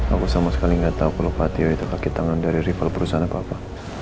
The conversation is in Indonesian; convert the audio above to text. aku sama sekali nggak tahu kalau patio itu kaki tangan dari rival perusahaan apa apa